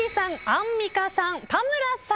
アンミカさん田村さん